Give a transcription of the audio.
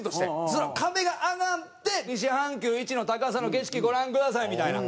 その壁が上がって西半球一の高さの景色ご覧くださいみたいな。